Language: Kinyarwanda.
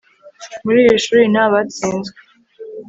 muri iri shuri ntabatsinzwe